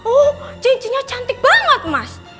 oh cincinnya cantik banget mas